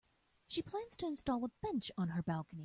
She plans to install a bench on her balcony.